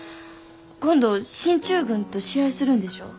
今度進駐軍と試合するんでしょう？